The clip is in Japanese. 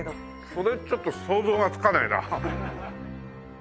それちょっと想像がつかないな。